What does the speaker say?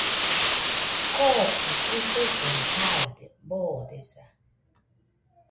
Kokɨ jusefona jaide boodesa.